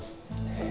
へえ。